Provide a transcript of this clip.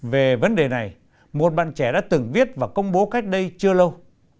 về vấn đề này một bạn trẻ đã từng viết và công bố cách đây chưa lâu